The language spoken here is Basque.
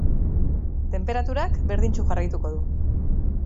Tenperaturak berdintsu jarraituko du.